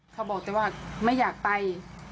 เขาบอกแต่ว่าไม่อยากไป